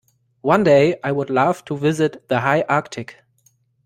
One day, I would love to visit the high Arctic.